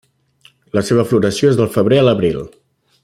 La seva floració és del febrer a l'abril.